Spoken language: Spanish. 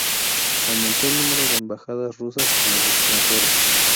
Aumentó el número de embajadas rusas en el extranjero.